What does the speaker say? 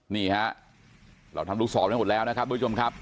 นี่ฮะเราทำลูกศรไว้หมดแล้วนะครับทุกผู้ชมครับ